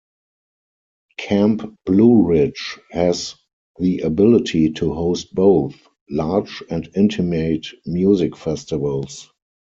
Camp Blue Ridge has the ability to host both large and intimate music festivals.